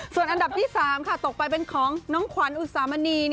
ส่วนอันดับที่๓ตกไปเป็นของน้องขวัญอุตสามณี